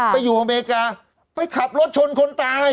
ไปอยู่อเมริกาไปขับรถชนคนตาย